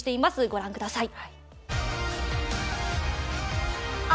ご覧ください。